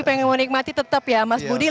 pengen menikmati tetap ya mas budi